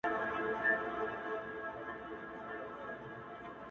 • د بدي خبري سل کاله عمر وي -